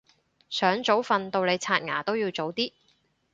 想早瞓到你刷牙都要早啲